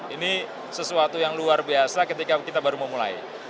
ini sesuatu yang luar biasa ketika kita baru memulai